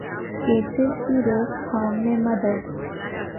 کینسرکی روک تھام میں مدد